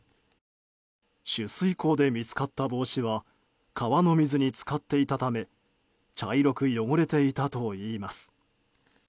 取水口で見つかった帽子は川の水に浸かっていたため茶色く汚れていたといいます。